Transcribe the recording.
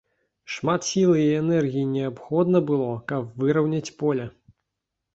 Шмат сілы і энергіі неабходна было, каб выраўняць поле.